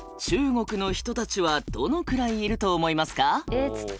えっ